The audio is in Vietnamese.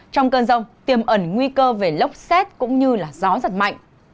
trong cơn rông tiềm ẩn nguy cơ về lốc xét cũng như gió giật mạnh